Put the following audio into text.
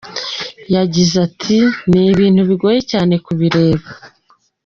Yagize ati “Ni ibintu bigoye cyane kubireba.